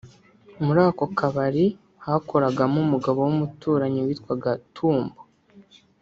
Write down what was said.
muri ako kabari hakoragamo umugabo w’umuturanyi witwaga Tumbo